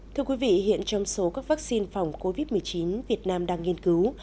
thưa quý vị hiện trong số các vaccine phòng covid một mươi chín việt nam đang nghiên cứu